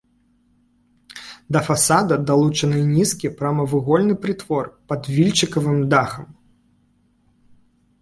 Да фасада далучаны нізкі прамавугольны прытвор пад вільчыкавым дахам.